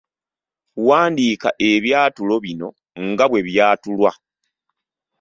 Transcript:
Wandiika ebyatulo bino nga bwe byatulwa.